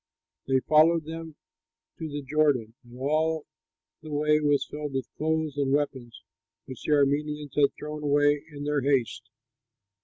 They followed them to the Jordan; and all the way was filled with clothes and weapons which the Arameans had thrown away in their haste.